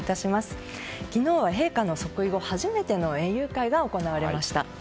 昨日は陛下の即位後初めての園遊会が行われました。